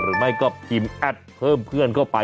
หรือไม่ก็พิมพ์แอดเพิ่มเพื่อนเข้าไป